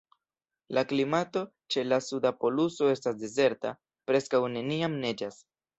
La klimato ĉe la Suda poluso estas dezerta: preskaŭ neniam neĝas.